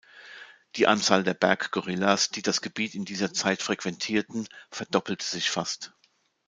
Die Anzahl der Berggorillas, die das Gebiet in dieser Zeit frequentierten, verdoppelte sich fast.